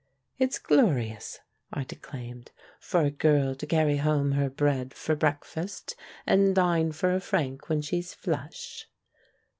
"It's glorious," I declaimed, "for a girl to carry home her bread for breakfast, and dine for a franc when she's flush."